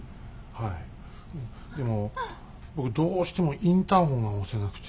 でも僕どうしてもインターホンが押せなくて。